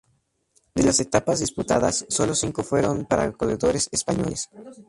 De las etapas disputadas, sólo cinco fueron para corredores españoles.